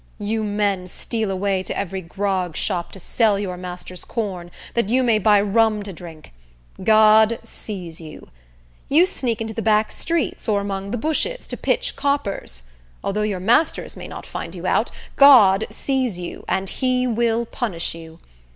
You men steal away to every grog shop to sell your master's corn, that you may buy rum to drink. God sees you. You sneak into the back streets, or among the bushes, to pitch coppers. Although your masters may not find you out, God sees you; and he will punish you.